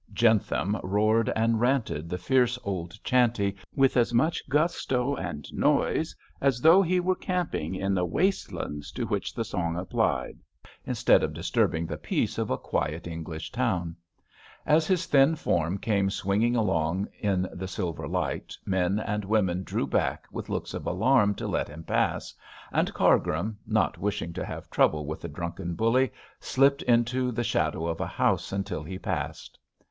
Jentham roared and ranted the fierce old chanty with as much gusto and noise as though he were camping in the waste lands to which the song applied, instead of disturbing the peace of a quiet English town. As his thin form came swinging along in the silver light, men and women drew back with looks of alarm to let him pass, and Cargrim, not wishing to have trouble with the drunken bully, slipped into the shadow of a house until he passed.